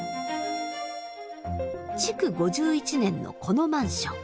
築５１年のこのマンション。